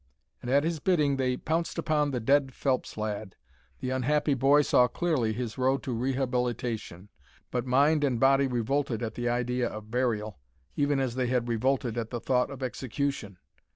And at his bidding they pounced upon the dead Phelps lad. The unhappy boy saw clearly his road to rehabilitation, but mind and body revolted at the idea of burial, even as they had revolted at the thought of execution.